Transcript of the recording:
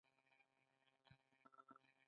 لینین په شوروي اتحاد کې د سولې لپاره څه کوي.